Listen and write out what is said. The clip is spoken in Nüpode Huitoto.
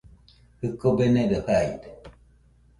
Jɨko benedo jaide